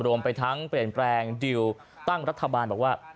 รวมไปทั้งเปลี่ยนแปลงดิวตั้งรัฐบาลบอกว่า